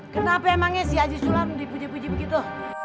kenapa emangnya si haji sulam dipuji puji begitu